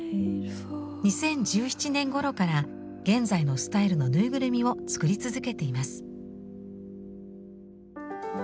２０１７年ごろから現在のスタイルのぬいぐるみを作り続けています。